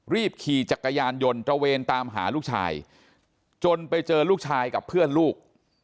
รีบขี่จักรยานยนต์ตระเวนตามหาลูกชายจนไปเจอลูกชายกับเพื่อนลูก